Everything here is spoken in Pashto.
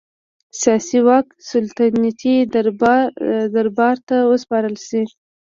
سیاسي واک سلطنتي دربار ته وسپارل شي.